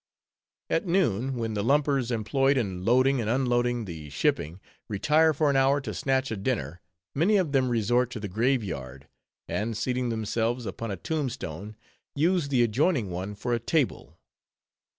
At noon, when the lumpers employed in loading and unloading the shipping, retire for an hour to snatch a dinner, many of them resort to the grave yard; and seating themselves upon a tomb stone use the adjoining one for a table.